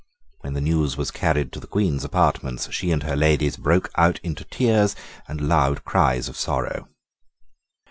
When the news was carried to the Queen's apartments she and her ladies broke out into tears and loud cries of sorrow.